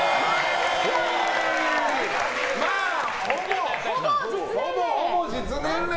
まあ、ほぼほぼ実年齢。